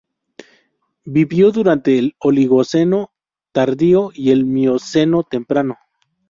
Vivió durante el Oligoceno tardío y el Mioceno temprano.